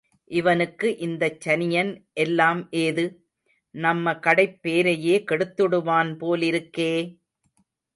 இவனுக்கு இந்தச் சனியன் எல்லாம் ஏது?... நம்ம கடைப் பேரையே கெடுத்துடுவான் போலிருக்கே!